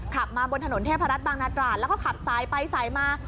ขับมาบนถนนเทพรัฐบางนาตราดแล้วก็ขับสายไปสายมา